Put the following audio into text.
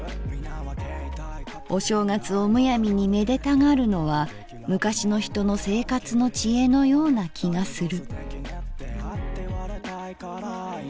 お正月をむやみに目出たがるのは昔の人の生活の知恵のような気がする」。